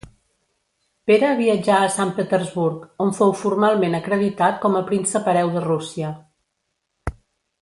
Pere viatjà a Sant Petersburg on fou formalment acreditat com a príncep hereu de Rússia.